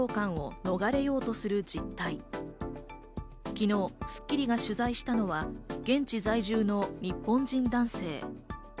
昨日『スッキリ』が取材したのは、現地在住の日本人男性。